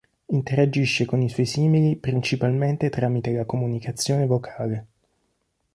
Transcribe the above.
Interagisce con i suoi simili principalmente tramite la comunicazione vocale.